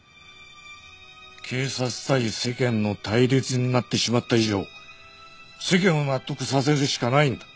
警察対世間の対立になってしまった以上世間を納得させるしかないんだ。